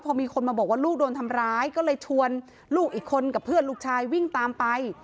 พอมีคนมาบอกว่าลูกโดนทำร้ายก็เลยชวนลูกอีกคนกับเพื่อนลูกชายวิ่งตามไป